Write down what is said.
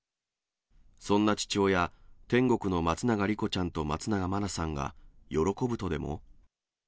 そんな父親、天国の松永莉子ちゃんと松永真菜さんが喜ぶとでも？